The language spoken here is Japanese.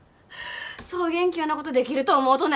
そげん器用なことできると思うとね？